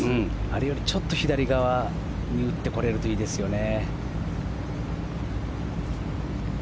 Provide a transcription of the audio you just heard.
あれよりちょっと左側に打ってこれるといいですよね。